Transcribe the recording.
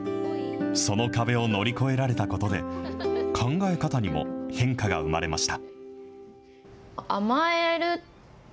その壁を乗り越えられたことで、考え方にも変化が生まれました。